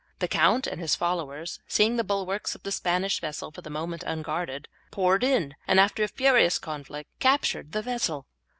The count and his followers, seeing the bulwarks of the Spanish vessel for the moment unguarded, poured in, and after a furious conflict captured the vessel.